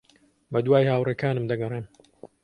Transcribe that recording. بەدوای ھاوڕێکانم دەگەڕێم.